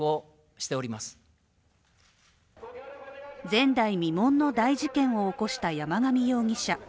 前代未聞の大事件を起こした山上容疑者。